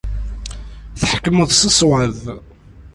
Tḥekkmeḍ s ṣṣwab.